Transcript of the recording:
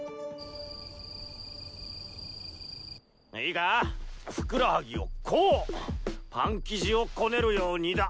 いいかふくらはぎをこうパン生地をこねるようにだ。